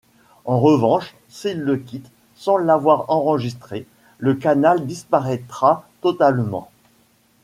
En revanche, s'il le quitte sans l'avoir enregistré, le canal disparaîtra totalement.